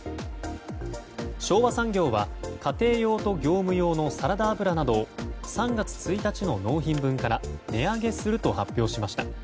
昭和産業は家庭用と業務用のサラダ油など３月１日の納品分から値上げすると発表しました。